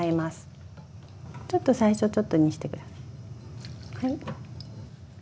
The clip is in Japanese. ちょっと最初ちょっとにして下さい。